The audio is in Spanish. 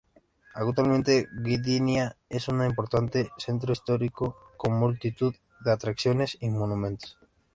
Actualmente, Gdynia es un importante centro turístico, con multitud de atracciones y monumentos.